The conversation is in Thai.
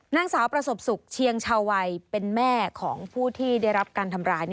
นางสาวประสบสุขเชียงชาวัยเป็นแม่ของผู้ที่ได้รับการทำร้าย